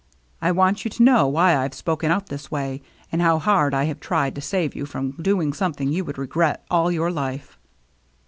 I want you to know why I've spoken out this way, and how hard I have tried to save you from doing something you would regret all your life."